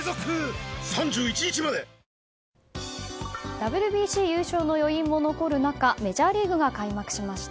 ＷＢＣ優勝の余韻も残る中メジャーリーグが開幕しました。